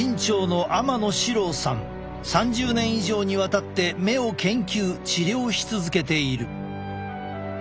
３０年以上にわたって目を研究治療し続けている。